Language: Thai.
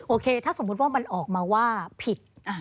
ถ้าสมมุติว่ามันออกมาว่าผิด